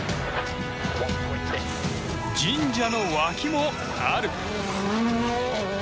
神社の脇もある！